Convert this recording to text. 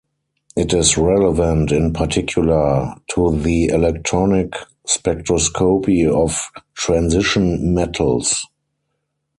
It is relevant, in particular, to the electronic spectroscopy of transition metals.